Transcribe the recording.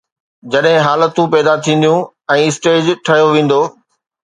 جڏهن حالتون پيدا ٿينديون ۽ اسٽيج ٺهيو ويندو.